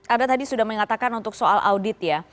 anda tadi sudah mengatakan untuk soal audit ya